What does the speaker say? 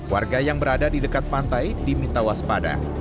warga yang berada di dekat pantai diminta waspada